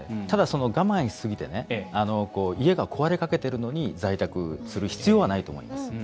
ただ、我慢しすぎて家が壊れかけてるのに在宅する必要はないと思います。